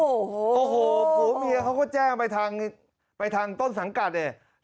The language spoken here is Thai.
โอ้โหผัวเมียเขาก็แจ้งไปทางไปทางต้นสังกัดเนี่ย